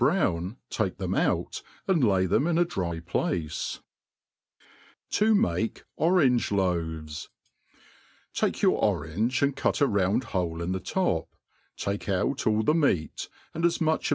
brown tike rhem out and lay them in a dry place. ..] To make Orange LsOvtfi ■...,■.,_ TAKE your orange, and cut a round bole Ii out all the, meat, and as much of th?